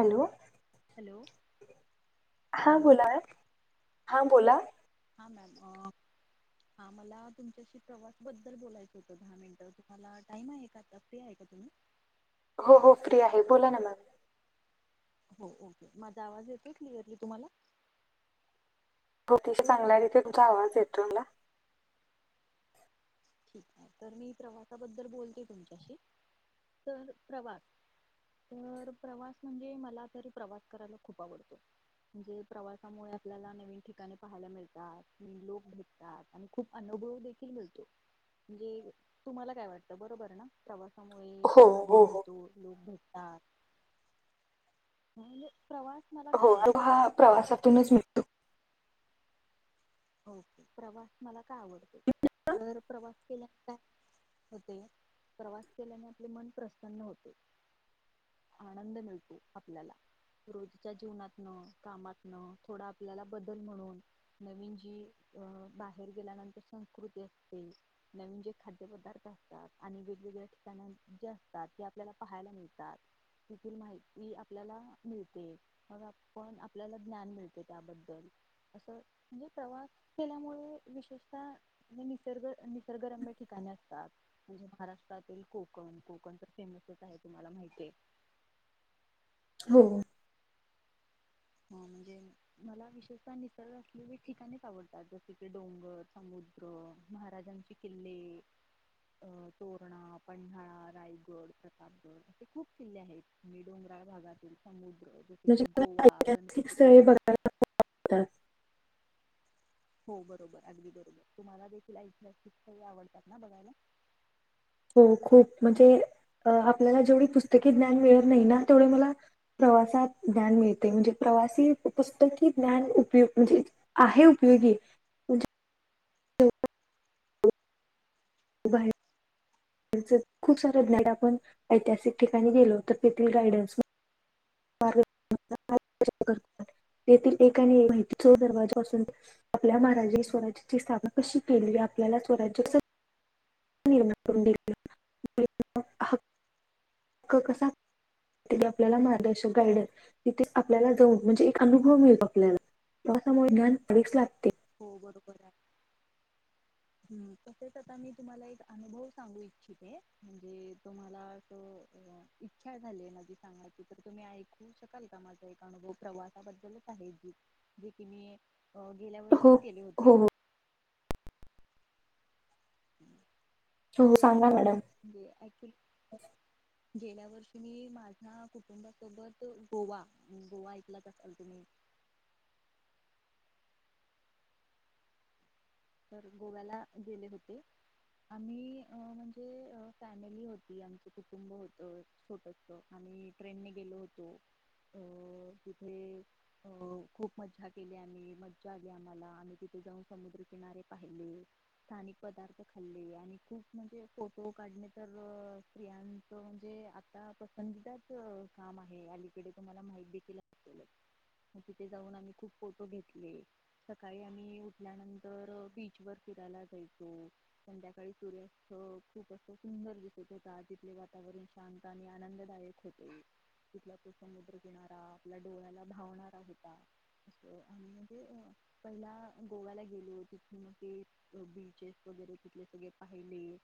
Hello hello हां hello बोला हा बोला हा मॅम हा मला तुमच्याशी प्रवास बद्दल बोलायचं होतं दहा मिनटं तुम्हाला टाइम आहे का आता फ्री आहे का तुम्ही हो हो फ्री आहे बोला ना मॅम हो ओके माझा आवाज येतोय क्लिअरली तुम्हाला ओके शी चांगला आहे तिथे तुमचा आवाज येतोय मला ठीक आहे तर मी प्रवासाबद्दल बोलते तुमच्याशी तर प्रवास तर प्रवास म्हणजे मला तरी प्रवास करायला खूप आवडतो तर मी प्रवासबद्दल बोलतीये तुमच्याशी तर प्रवास तर प्रवास म्हणजे मला तरी प्रवास करायला खूप आवडतो म्हणजे प्रवासामुळे आपल्याला नवीन ठिकाणे पाहायला मिळतात लोक भेटतात आणि खूप अनुभव देखील मिळतो. म्हणजे तुम्हाला काय वाटतं बरोबर ना प्रवास मुळे हो अनुभव हो हो मिळतो. लोक भेट नाही म्हणजे प्रवास मला का हो, आणि आवडतो हा प्रवासातूनच मिळतो. हो प्रवास मला का आवडत? तर प्रवास केल्याकाय होते प्रवास केल्याने आपले मन प्रसन्न होते, आनंद मिळतो आपल्याला. रोजच्या जीवनातन, कामातन थोडा आपल्याला बदल म्हणून नवीन जी जी अ बाहेर गेल्यानंतर संस्कृती असते, नवीन जे खाद्यपदार्थ असतात आणि वेगवेगळ्या ठिकाण जे असतात ती आपल्याला पाहायला मिळतात. तिथील माहिती आपल्याला मिळते, मग पण आपल्याला ज्ञान मिळते त्याबद्दल. असं म्हण प्रवास केल्यामुळे विशेषतः निसर्ग निसर्गरम्य ठिकाणी असतात म्हणजे महाराष्ट्रातील कोकण कोकण तर फेमसच आहे तुम्हाला माहितीये हो. ह म्हणजे मला विशेषतः निसर्ग असलेले ठिकाणीच आवडतात. जसे की डोंगर, समुद्र, महाराजांची किल्ले अ तोरणा, पन्हाळा, रायगड, प्रतापगड असे खूप किल्ले आहेत. मी डोंगराळ भागातील समु जसे की गोवा अशी स्थळे बघायला भेटतात. हो बरोबर, अगदी बरोबर तुम्हाला देखील ऐतिहासिक स्थळे आवडतात ना बघायला? हो खूप म्हणजे अ आपल्याला जेवढी पुस्तकी ज्ञान मिळत नाही ना तेवढे मला प्रवासात ज्ञान मिळते. म्हणजे प्रवासी पुस्तकी ज्ञान उपयुक्त म्हणजे आहे उपयोगीे म्हण बाहेरच खूप सारे ज्ञान आपण ऐतिहासिक ठिकाणी गेलो, तर तेथील गायडन्स [unintelligible] तेथील एक आणि एक माहिती चोर दरवाजापासून आपल्या महाराजांनी स्वराज्याची स्थापना कशी केली, आपल्याला स्वराज्य [unintelligible] [unintelligible] हक्क कसा तिथे आपल्याला मार्गदर्शक, गायडन तिथे आपल्याला जाऊन म्हणजे एक अनुभव मिळतो आपल्याला प्रवासामुळे ज्ञान वाढीस लागते. हो बरोबर आहे. हम्म तसेच आता मी तुम्हाला एक अनुभव सांगू इच्छिते. म्हणजे तुम्हाला असं इच्छा झालीय माझी सांगायची, तर तुम्ही ऐकू शकाल का? माझा एक अनुभव प्रवासाबद्दलच आहे जे की मी अ गेल्या हो गेले होते. हो हो [unintelligible] हो, हो सांगा मॅडम. म्हणजे गेल्या वर्षी मी माझ्या कुटुंबासोबत गोवा गोवा ऐकलाच असाल तुम्ही तर गोव्याला गेले होते. आम्ही अ म्हणजे अ फॅमिली होती, आमचं कुटुंब होत छोटंसं, आम्ही ट्रेनने गेलो होतो. अ तिथे अ खूप मज्जा केली आम्ही, मज्जा आली आम्हाला. आम्ही तिथे जाऊन समुद्र किनारे पाहिले, स्थानिक पदार्थ खाल्ले आणि खूप म्हणजे फोटो काढणे तर स्त्रियांच म्हणजे आता पसंतीदाच काम आहे. अलीकडे तुम्हाला माहीत देखिल असेलच तिथे जाऊन आम्ही खूप फोटो घेतले. सकाळी आम्ही उठल्यानं तर बीचवर फिरायला जायचो. संध्याकाळी सूर्यास्त खूप अस सुंदर दिसत होता. तिथले वातावरण शांत आणि आनंददायक होते. तिथला तो समुद्र किनारा आपल्या डोळ्याला भावणारा होता असं आणि म्हणजे पण ना गोव्याला गेलो तिथून ते बीचेस वगैरे तिथले सगळे पाहिले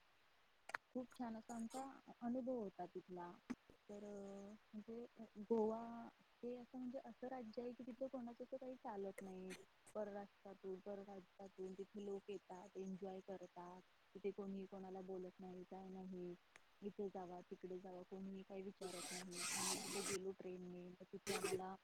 खूप छान असा आमचा अनुभव होता तिथला. तर म्हणजे गोवा हे असं म्हणजे असं राज्य आहे कि तिथं कोणाच काही चालत नाही. परराष्ट्रातून परराष्ट्रयातून तिथे लोक येतात, एन्जॉय करतात. तिथे कोणी कोणाला बोलत नाही, काय नाही. इकडे जावा, तिकडे जावा कोणीही काही विचारत नाही आम्ही तिथे गेलो ट्रेननेे. तिथे आम्हाला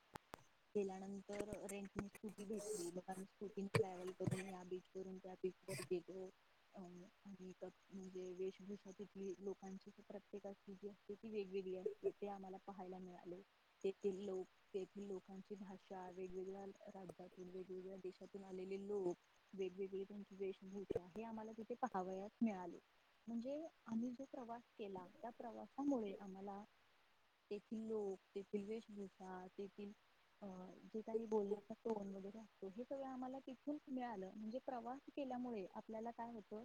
गेल्यानंतर रेंटने स्कूटी भेटली, मग आम्ही स्कूटीने ट्रॅव्हल करून या बीचवरून त्या बीचवर गेलो. अ आणि म्हणजे वेशभूषा तिथील लोकांची प्रत्येकाची जी असते ती वेगवेगळी असते ते आम्हाला पाहायला मिळाले. तेथील लोक, तेथील लोकांची भाषा वेगवेगळ्या राज्यातून, वेगवेगळ्या देशांतून- [inaudible] लोक वेगवेगळे त्यांची वेशभूषा हे आम्हाला तिथे पाहावयास मिळाले. म्हणजे आम्ही जो प्रवास केला त्या प्रवास त्यामुळे आम्हाला तेथील लोक, तेथील वेशभूषा, तेथील अ जे काही बोलण्याचा टोन वगैरे असतो हे आम्हाला तिथून मिळालं म्हणजे प्रवास केल्यामुळे आपल्याला काय होत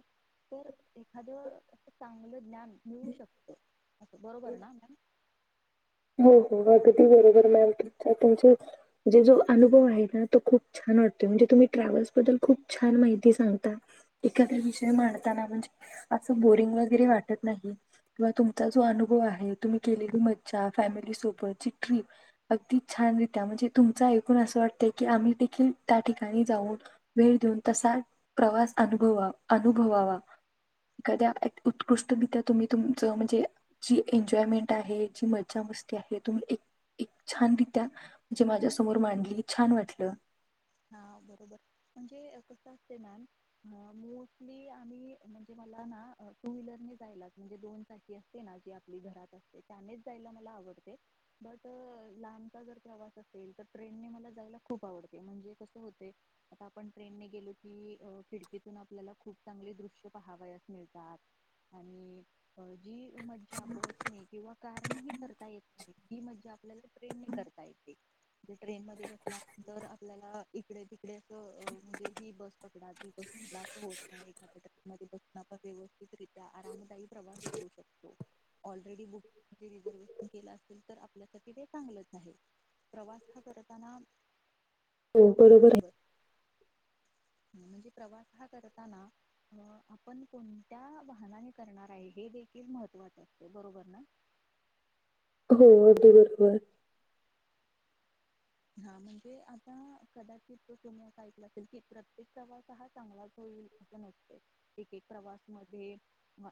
तर एखाद चांगलं ज्ञान मिळू शकत असं. बरोबर ना मॅम? हो, हो अगदी बरोबर मॅम. तुमच्या जे जो अनुभव आहे ना तो खूप छान वाटतोय. म्हणजे तुम्ही ट्रॅव्हल्स बद्दल खूप छान माहिती सांगता. एखाद्या विषय मांडताना म्हणजे असं बोरिंग वगैरे वाटत नाही किंवा तुमचा जो अनुभव आहे, तुम्ही केलेली मज्जा फॅमिली सोबतची ट्रिप अगदी छानरित्या म्हणजे तुमच ऐकून असं वाटत की आम्ही देखील त्या ठिकाणी जाऊन वेळ देऊन तसा प्रवास अनुभवा अनुभवावा. एखाद्या उत्कृष्टरित्या तुम्ही तुमचं म्हणजे जी एन्जॉयमेंट आहे, जी मज्जा मज्जा मस्ती आहे, तुम्ही एक एक छानरित्या म्हणजे माझ्या समोर मांडली, छान वाटलं. हा बरोबर. म्हणजे कसं असतंय मॅम मोस्टली अ आम्ही म्हणजे मला ना टू व्हीलरने जायला म्हणजे दोन चाकी असते ना जी आपली घरात असते त्यानेच जायला मला आवडते. बट लांबचा जर प्रवास असेल, तर ट्रेनने मला जायला खूप आवडते. म्हणजे कसं होतेय आता आपण ट्रेनने गेलो की, अ खिडकीतून आपल्याला खूप चांगले दृश्य पाहावयास मिळतात आणि अ जी मज्जा बसने किंवा कार णेही करता येत नाही. की म्हणजे आपल्याला ट्रेनने करता येते. ट्रेन मध्ये बसल्यानंतर आपल्याला इकडे तिकडे असं म्हणजे ही बस पकडा, ती बस पकडा असं होत नाही एखाद्या ट्रकमध्ये बसून आपण व्यवस्थितरित्या आरामदायी प्रवास करू शकतो. ऑलरेडी बुक रिझर्वेशन केलं असेल तर आपल्यासाठी ते चांगलंच आहे. प्रवास हा करताना हो बरोबर हाय म्हणजे प्रवास हा करताना अ- आपण कोणत्या वाहनाने करणार आहे, हे देखील महत्त्वाच असत. बरोबर ना? आहे हो अगदी बरोबर. हा म्हणजे आता कदाचित तुम्ही अस ऐकल असेल कि प्रत्येक प्रवास हा चांगलाच होईल अस नसत. एक एक प्रवास मध्ये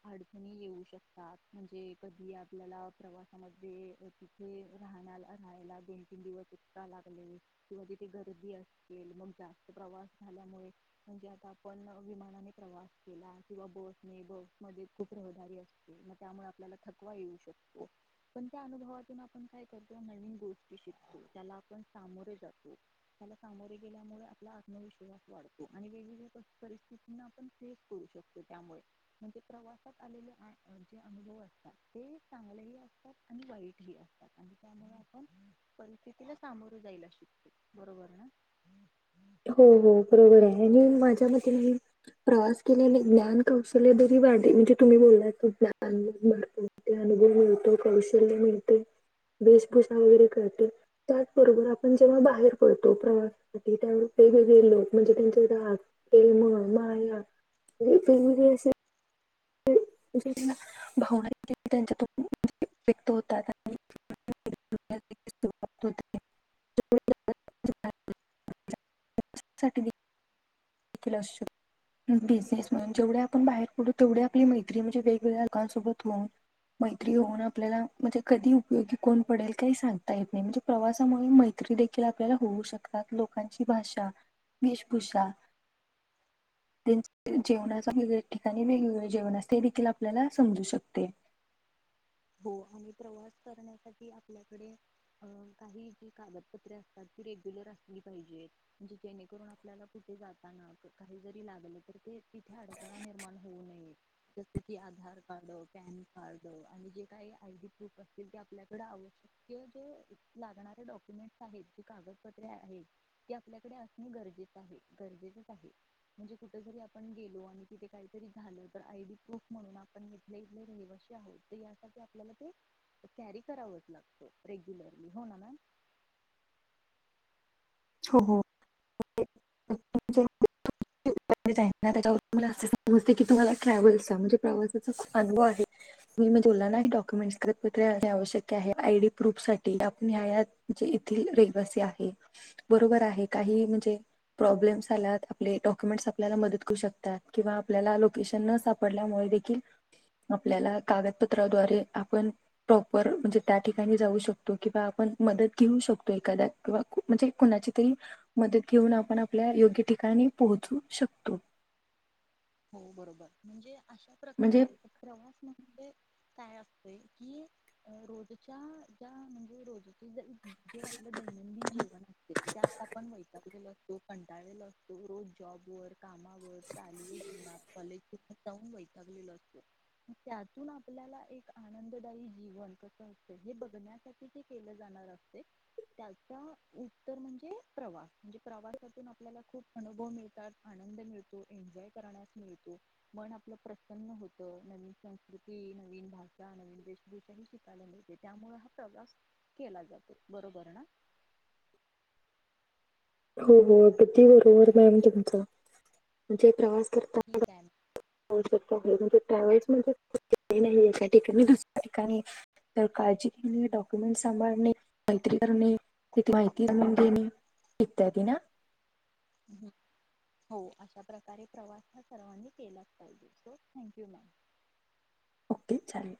अडचणी येऊ शकतात. म्हणजे कधी आपल्याला प्रवासामध्ये तिथे राहण्याला, राहायला दोन तीन दिवस [unintelligible] किंवा तिथे गर्दी असेल मग जास्त प्रवास झाल्यामुळे म्हणजे आता आपण विमानाने प्रवास केला किंवा बसने बस मध्ये खूप रहदारी असते, मग त्यामुळे आपल्याला थकवा येऊ शकतो. पण त्या अनुभवातून आपण काय करतो नवीन गोष्टी शिकतो. त्याला आपण सामोरे जातो. त्याला सामोरे गेल्यामुळे आपला आत्मविश्वास वाढतो आणि वेगवेगळ्या परिस्थितीना आपण फेस करू शकतो. त्यामुळे म्हणजे प्रवासात आलेले जे अनुभव असतात ते चांगलेही असतात आणि वाईट ह असतात आणि त्यामुळे आपण परिस्थि तिला सामोरे जायला शिकतो. बरोबर ना? हो हो बरोबर आहे मी आणि माझ्या मते मी प्रवास केल्याने ज्ञान कौशल्य जरी वाढते म्हणजे तुम्ही बोललात कि अनुभव मिळतो, कौशल्य मिळते, वेशभूषा वगैरे कळते त्याचबरोबर आपण जेव्हा बाहेर पडतो प्रवासासाठी त्या वेळी वेगवेगळे लोक म्हणजे त्यांचे राग, प्रेमळ, माया वेगवेगळे असे [unintelligible] [inaudible] बिजनेस म्हणं जेवढे आपण बाहेर पडू तेवढ्या आपली मैत्री म्हणजे वेगवेगळ्या लोकांसोबत राहून, मैत्री होऊन आपल्याला म्हणजे कधी उपयोगी कोण पडेल काही सांगता येत नाही. म्हणजे प्रवासामुळे मैत्री देखील आपल्याला होऊ शकतात लोकांची भाषा, वेशभूषा ते जेवणाच वेगळ्या ठिकाणी वेगवेगळे जेवण असते देखील आपल्याला समजू शकते. हो आणि प्रवास करण्यासाठी आपल्याकडे अ- काही जी कागदपत्रे असतात ती रेग्युलर असली पाहिजे. म्हणजे जेणेकरून आपल्याला कुठे जाताना काही जरी लागलं तर ते तिथे अडथळा निर्माण होऊ नये. जस कि आधार कार्ड, पॅन कार्ड आणि जे काही आयडी प्रूफ अस ते आपल्याकडे आवश्यक जे लागणारे डॉक्युमेंटस आहेत जे कागदपत्रे आहे ते आपल्याकडे असणे गरजेच आहे, गरजेचच आहे. म्हणजे कुठ जरी आपण गेलो आणि तिथे काहीतरी झालं तर आयडी प्रुफ म्हणून आपण इथले इथले रहिवाशी आहोत तर या आपल्याला ते कॅरी करावच लागत रेग्युलरली. हो ना मॅम? हो [unintelligible] ट्रॅव्हल्सचा म्हणजे प्रवासाचा अनुभव आहे. तुम्ही मग बोलला ना डॉक्युमेंटस कागदपत्रे आवश्यक आहे, आयडी प्रुफसाठी आपण या या म्हणजे येथील रहिवासी आहे. बरोबर आहे काही म्हणजे प्रॉब्लेम्स आलात आपले डॉक्युमेंटस आपल्याला मदत करू शकतात किंवा आपल्याला लोकेशन न सापडल्यामुळे देखील आपल्याला कागदपत्राद्वारे आपण प्रॉपर म्हणजे त्या ठिकाणी जाऊ शकतो किंवा आपण मदत घेऊ शकतो एखाद्या किंवा म्हणजे कुणाची तरी मदत घेऊन आपण आपल्या योग्य ठिकाणी पोहचू शकतो. हो बरोबर म्हणजे अशा म्हणजे प्रकारे प्रवास म्हणजे काय असतय की, रोजच्या ज्या म्हणजे रोज ज जे आपलं दैनंदिन जीवन असते ते आता आपण वैतातगलेलो तो कंटाळलेला असतो रोज जॉबवर कामावर चालू [inaudible] जाऊन कॉलेजला जाऊन वैतागलेला असतो त्यातून आपल्याला एक आनंददायी जीवन कस असत हे बघण्यासाठी ते केलं जाणार असते त्याचा उत्तर म्हणजे प्रवास म्हणजे प्रवासातून आपल्याला खूप अनुभव मिळतात आनंद मिळतो एन्जॉय करण्यास मिळतो मन आपलं प्रसन्न होतं नवीन संस्कृती नवीन भाषा नवीन देशभूषा ह शिकायला मिळते त्यामुळे हा प्रवास केला जातो बरोबर ना? हो हो अगदी बरोबर मॅम तुमच म्हणजे प्रवास करताना ठीक आहे ना? [unintelligible] म्हणजे एका ठिकाणी दुसऱ्या ठिकाणी तर काळजी घेणे डॉक्युमेंट सांभाळणे मैत्री करणे [unintelligible] माहिती घेणे इत्यादी ना? हो अशा प्रकारे प्रवास हा सर्वांनी केलाच पाहिजे so thank you ma'am okay चालेल